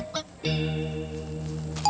keh gini ya